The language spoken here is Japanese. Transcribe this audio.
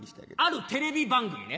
あるテレビ番組ね。